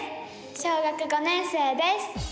小学５年生です。